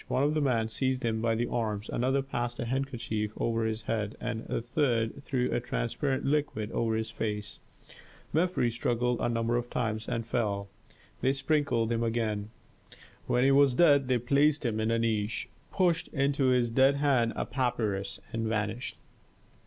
One of the men seized him by the arms, another passed a kerchief over his head, and a third threw a transparent liquid over his face. Mefres struggled a number of times, and fell. They sprinkled him again. When he was dead they placed him in a niche, pushed into his dead hand a papyrus, and vanished.